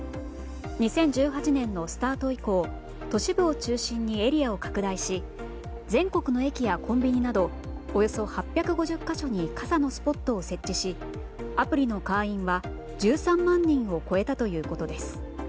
２０１８年のスタート以降都市部を中心にエリアを拡大し全国の駅やコンビニなどおよそ８５０か所に傘のスポットを設置しアプリの会員は１３万人を超えたということです。